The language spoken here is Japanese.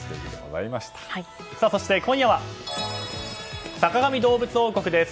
そして、今夜は「坂上どうぶつ王国」です。